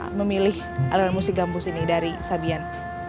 bagaimana memilih aliran musik gambus ini dari sabian